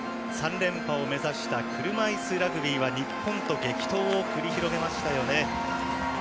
３連覇を目指した車いすラグビーは日本と激闘を繰り広げました。